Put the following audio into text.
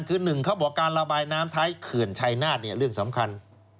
คือ๑การระบายน้ำไทยเคลื่อนชัยนาธิเรื่องสำคัญ